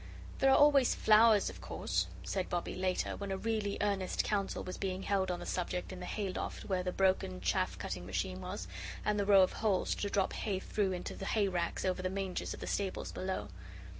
"There are always flowers, of course," said Bobbie, later, when a really earnest council was being held on the subject in the hay loft where the broken chaff cutting machine was, and the row of holes to drop hay through into the hay racks over the mangers of the stables below.